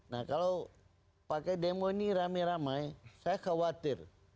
nah kalau pakai demo ini rame rame saya khawatir